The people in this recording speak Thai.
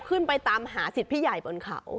ไปตามหาสิทธิ์พี่ใหญ่บนเขา